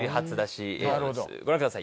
ご覧ください